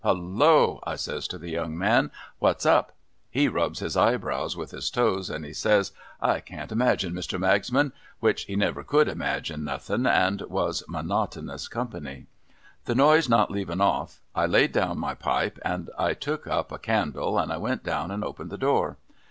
' Halloa !' I says to the young man, ' what's up !' He rubs his eyebrows with his toes, and he says, ' I can't imagine, Mr. Magsman' —which he never could imagine nothin, and was monotonous company. The noise not leavin off, I laid down my pipe, and I took up a candle, and I went down and opened the door.